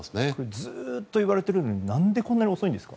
ずっと言われているのに何でこんなに遅いんですか？